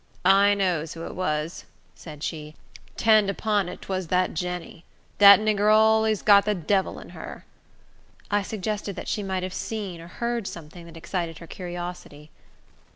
"I knows who it was," said she. "Tend upon it, 'twas dat Jenny. Dat nigger allers got de debble in her." I suggested that she might have seen or heard something that excited her curiosity.